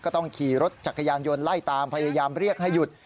ก็ต้องขี่รถจักรยานยนต์ไล่ตามพยายามเรียกให้หยุด